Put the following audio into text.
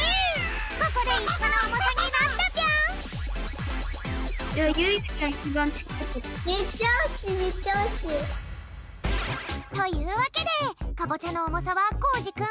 ここでいっしょのおもさになったぴょん！というわけでカボチャのおもさはコージくん